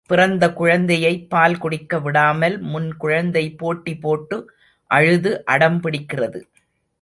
பிறந்த குழந்தையைப் பால் குடிக்கவிடாமல் முன் குழந்தை போட்டி போட்டு அழுது அடம் பிடிக்கிறது.